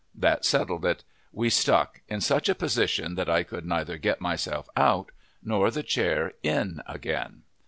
That settled it. We stuck, in such a position that I could neither get myself out nor the chair in again.